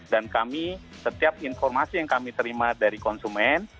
dan kami setiap informasi yang kami terima dari konsumen